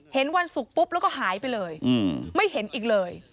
วันศุกร์ปุ๊บแล้วก็หายไปเลยไม่เห็นอีกเลย